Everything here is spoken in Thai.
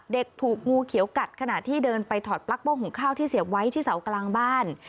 ถูกงูเขียวกัดขณะที่เดินไปถอดปลั๊กบ้องหุงข้าวที่เสียบไว้ที่เสากลางบ้าน